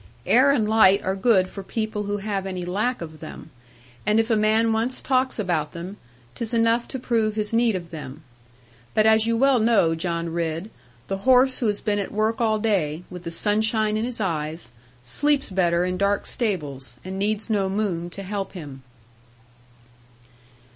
Air and light are good for people who have any lack of them; and if a man once talks about them, 'tis enough to prove his need of them. But, as you well know, John Ridd, the horse who has been at work all day, with the sunshine in his eyes, sleeps better in dark stables, and needs no moon to help him.